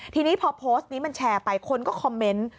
ทีนี้พอโพสต์นี้มันแชร์ไปคนก็คอมเมนต์